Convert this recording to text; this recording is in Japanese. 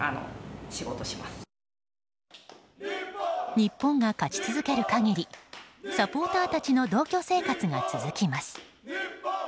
日本が勝ち続ける限りサポーターたちの同居生活が続きます。